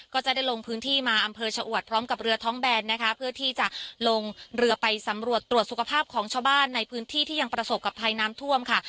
ก็จะได้ลงพื้นที่มาอำเภอชะอวดพร้อมกับเรือท้องแบนนะคะเพื่อที่จะลงเรือไปสำรวจตรวจสุขภาพของชาวบ้านในพื้นที่ที่ยังประสบกับภัยน้ำท่วมค่ะ